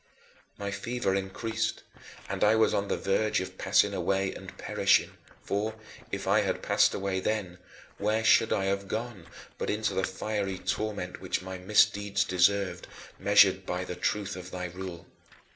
My fever increased, and I was on the verge of passing away and perishing; for, if I had passed away then, where should I have gone but into the fiery torment which my misdeeds deserved, measured by the truth of thy rule?